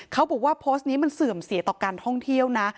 เขาบอกว่าโพสต์นี้มันเสื่อมเสียต่อการท่องเที่ยวนะ